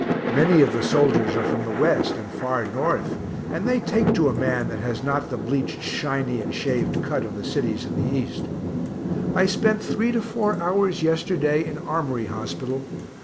Many of the soldiers are from the West, and far North, and they take to a man that has not the bleached shiny and shaved cut of the cities and the East. I spent three to four hours yesterday in Armory hospital.